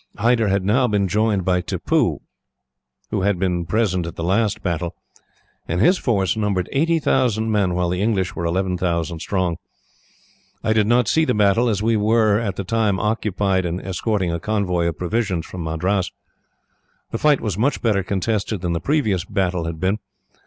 Hyder had now been joined by Tippoo, who had not been present at the last battle, and his force numbered 80,000 men, while the English were 11,000 strong. "I did not see the battle, as we were, at the time, occupied in escorting a convoy of provisions from Madras. The fight was much better contested than the previous battle had been.